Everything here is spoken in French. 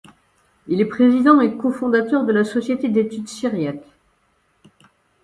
Il est président et cofondateur de la Société d'études syriaques.